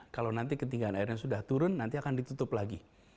kalau nanti ketinggian airnya sudah turun nanti akan ditutup lagi